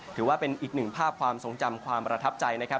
ถือว่าเป็นอีกหนึ่งภาพความทรงจำความประทับใจนะครับ